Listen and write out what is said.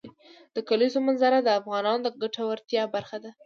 د کلیزو منظره د افغانانو د ګټورتیا برخه ده.